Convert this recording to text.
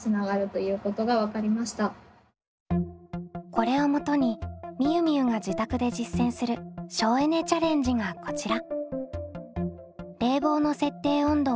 これをもとにみゆみゆが自宅で実践する省エネ・チャレンジがこちら。